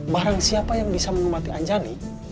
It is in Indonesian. barang siapa yang bisa mengomati anjani